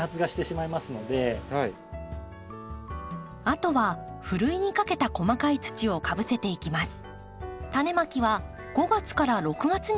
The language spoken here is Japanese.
あとはふるいにかけた細かい土をかぶせていきます。